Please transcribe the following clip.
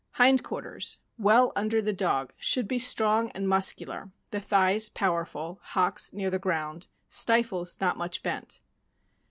Hind quarters. — Well under the dog; should be strong and muscular, the thighs powerful, hocks near the ground, stifles not much bent.